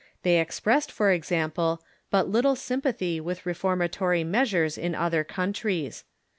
They expressed, for example, but little sympathy with reform atory measures in other countries.